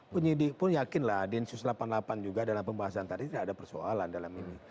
penyidik pun yakinlah densus delapan puluh delapan juga dalam pembahasan tadi tidak ada persoalan dalam ini